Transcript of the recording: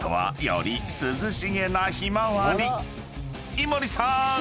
［井森さーん